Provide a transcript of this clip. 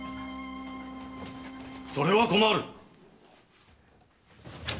・それは困る。